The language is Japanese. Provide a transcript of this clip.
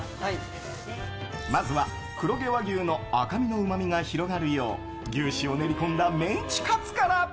まずは、黒毛和牛の赤身のうまみが広がるよう牛脂を練り込んだメンチカツから。